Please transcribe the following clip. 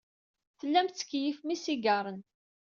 Tellam tettkeyyifem isigaṛen.